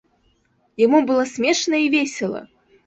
Яму было смешна і весела.